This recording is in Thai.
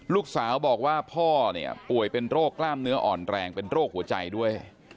ลูกสาวบอกว่าพ่อเนี่ยป่วยเป็นโรคกล้ามเนื้ออ่อนแรงเป็นโรคหัวใจด้วย